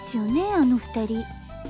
あの２人。